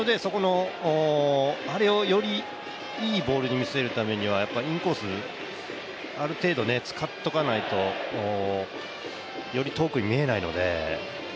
あれをよりいいボールに見せるためにはインコース、ある程度使っとかないと、より遠くに見えないので。